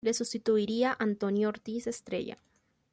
Le sustituiría Antonio Ortiz Estrella.